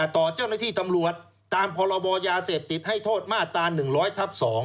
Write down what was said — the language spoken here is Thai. ต่อเจ้าหน้าที่ตำรวจตามพรบยาเสพติดให้โทษมาตรา๑๐๐ทับ๒